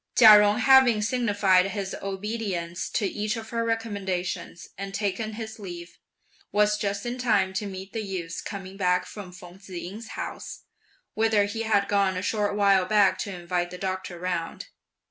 Chia Jung having signified his obedience to each of her recommendations, and taken his leave, was just in time to meet the youth coming back from Feng Tzu ying's house, whither he had gone a short while back to invite the doctor round.